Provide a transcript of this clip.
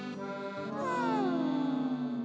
うん。